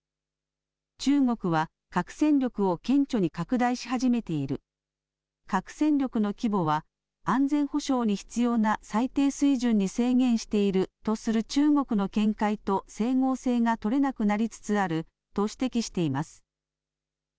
中国は核戦力を顕著に拡大し始めている核戦力の規模は安全保障に必要な最低水準に制限しているとする中国の見解と整合性が取れなくなりつつあると指摘しています。